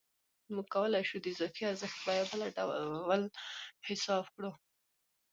موږ کولای شو د اضافي ارزښت بیه بله ډول حساب کړو